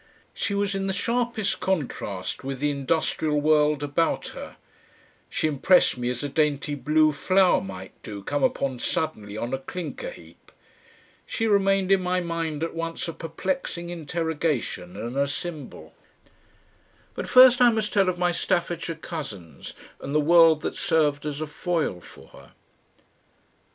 She was in the sharpest contrast with the industrial world about her; she impressed me as a dainty blue flower might do, come upon suddenly on a clinker heap. She remained in my mind at once a perplexing interrogation and a symbol.... But first I must tell of my Staffordshire cousins and the world that served as a foil for her.